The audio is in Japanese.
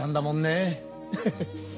ヘヘヘッ。